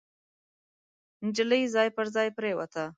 نجلۍ ځای پر ځای پريوته.